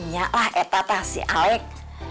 ya lah eta teh si alex